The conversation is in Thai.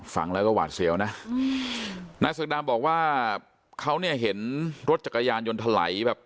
ฟังแล้วก็หวาดเสียวนะนายเสกดาบอกว่าเขาเนี่ยเห็นรถจักรยานยนต์ถลายแบบ